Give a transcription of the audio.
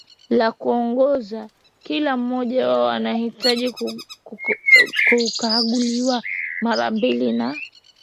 la kuongoza Kila mmoja wao anahitaji kukaguliwa mara mbili na